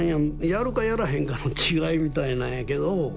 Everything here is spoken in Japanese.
やるかやらへんかの違いみたいなんやけど。